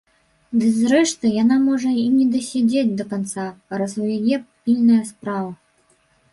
Ды, зрэшты, яна можа і не даседзець да канца, раз у яе пільная справа.